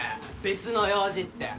別の用事って。